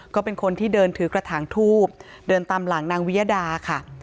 ก็เป็นคนที่เดินถือกระถางทูบเดินตามหลังนางวิยดาค่ะ